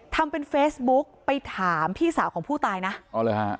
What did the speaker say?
ทำเป็นเฟซบุ๊กไปถามพี่สาวของผู้ตายนะอ๋อเหรอฮะ